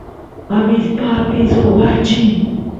abispa apin suk wachi